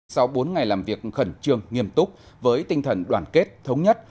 sau bốn ngày làm việc khẩn trương nghiêm túc với tinh thần đoàn kết thống nhất